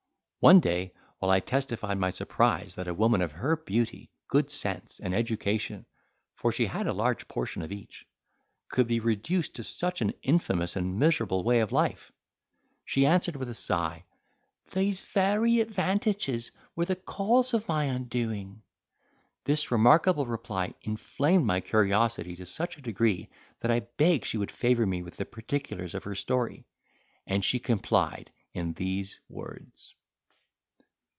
One day, while I testified my surprise that a woman of her beauty, good sense, and education (for she had a large portion of each), could be reduced to such an infamous and miserable way of life, she answered with a sigh, "These very advantages were the cause of my undoing." This remarkable reply inflamed my curiosity to such a degree, that I begged she would favour me with the particulars of her story, and she complied in these words.